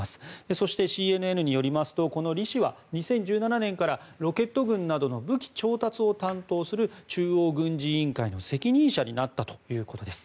そして、ＣＮＮによりますとこのリ氏は２０１７年からロケット軍などの武器調達を担当する中央軍事委員会の責任者になったということです。